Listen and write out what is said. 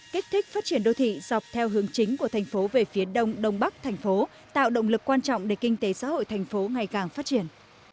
kích thích phát triển đô thị dọc theo hướng chính của thành phố về phía đông đông bắc thành phố tạo động lực quan trọng để kinh tế xã hội thành phố ngày càng phát triển